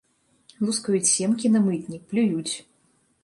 Лускаюць семкі на мытні, плююць.